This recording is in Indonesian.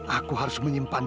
aku harus menyimpannya